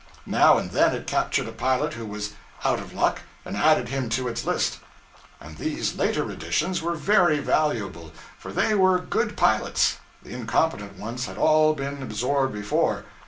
Now and then it captured a pilot who was 'out of luck,' and added him to its list; and these later additions were very valuable, for they were good pilots; the incompetent ones had all been absorbed before.